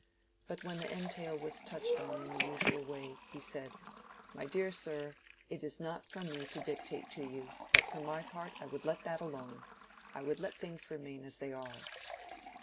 But when the entail was touched on in the usual way, he said, "My dear sir, it is not for me to dictate to you, but for my part I would let that alone. I would let things remain as they are."